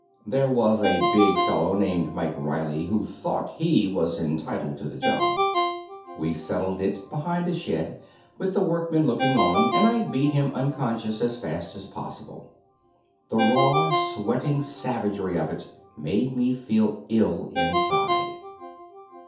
There was a big fellow named Mike Riley who thought he was entitled to the job. We settled it behind a shed, with the workmen looking on, and I beat him unconscious as fast as possible. The raw, sweating savagery of it made me feel ill inside.